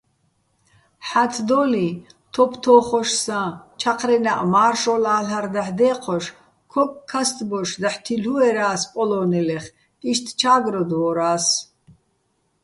ჰ̦ა́თდოლიჼ თოფთო́ხოშსაჼ ჩაჴრენაჸ მა́რშოლალ'არ დაჰ̦ დე́ჴოშ, ქოკქასტბოშ დაჰ̦ თილ'უერა́ს პოლო́ნელეხ, იშტ "ჩა́გროდვორას".